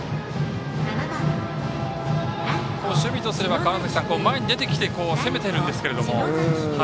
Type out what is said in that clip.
守備とすれば、川原崎さん前に出てきて攻めているんですけど。